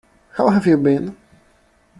How have you been?